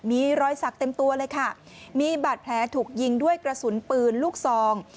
มีรอยสักเต็มตัวเลยค่ะมีบาดแผลถูกยิงด้วยกระสุนปืนลูกซอง